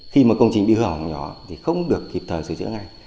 khi mà công trình bị hư hỏng nhỏ thì không được kịp thời sửa chữa ngay